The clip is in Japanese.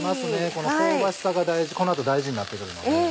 この香ばしさが大事この後大事になってくるので。